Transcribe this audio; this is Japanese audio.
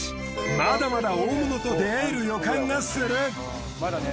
まだまだ大物と出会える予感がする。